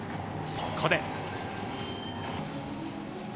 そこで。